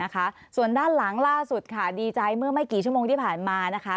นะคะส่วนด้านหลังล่าสุดค่ะดีใจเมื่อไม่กี่ชั่วโมงที่ผ่านมานะคะ